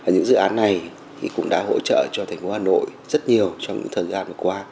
những dự án này cũng đã hỗ trợ cho thành phố hà nội rất nhiều trong những thời gian vừa qua